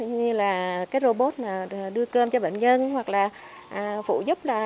như là cái robot đưa cơm cho bệnh nhân hoặc là phụ giúp là